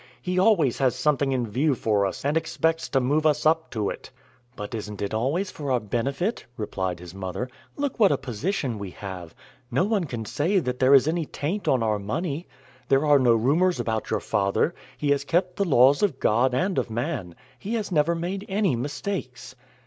"He always has something in view for us and expects to move us up to it." "But isn't it always for our benefit?" replied his mother. "Look what a position we have. No one can say there is any taint on our money. There are no rumors about your father. He has kept the laws of God and of man. He has never made any mistakes."